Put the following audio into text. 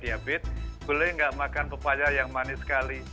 diabit boleh enggak makan pepaya yang manis sekali